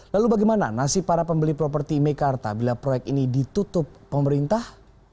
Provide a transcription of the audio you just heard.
lalu bagaimana nasib para pembeli properti mekarta bila proyek ini ditutup pemerintah